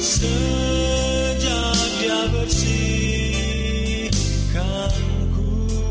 sejak dia bersihkan ku